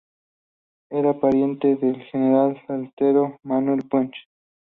Era pariente del general salteño Manuel Puch.